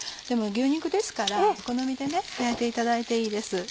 でも牛肉ですからお好みで焼いていただいていいです。